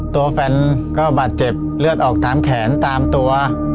ตัวแฟนก็บาดเจ็บเลือดออกตามแขนตามตัว